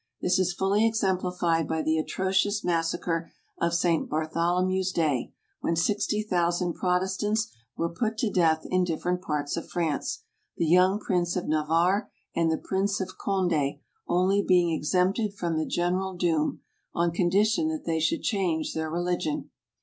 This is fully exemplified by the atrocious mas sacre of St. Bartholomew's day, when sixty thou¬ sand protestants w ere put to death in different parts of France, the young prince of Navarre and the prince of Conde only being exempted from the general doom, on condition that they should change their religion.